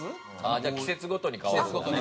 季節ごとに変わるんだね。